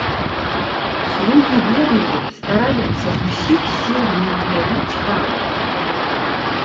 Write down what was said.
Слугі верныя стараюцца з усіх сіл не ўгнявіць пана.